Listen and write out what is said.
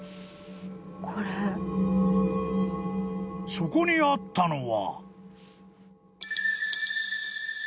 ［そこにあったのは］